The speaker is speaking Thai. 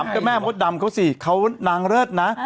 เจ้าแม่มดดำเขาสิเขานางเลิศนะ